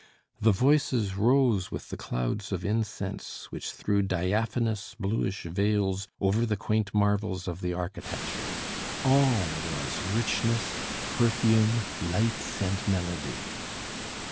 The voices rose with the clouds of incense which threw diaphanous, bluish veils over the quaint marvels of the architecture. All was richness, perfume, light and melody.